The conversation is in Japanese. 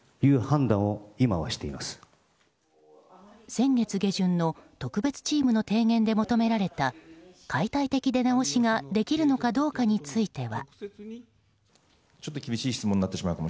先月下旬の特別チームの提言で求められた解体的出直しができるのかどうかについては。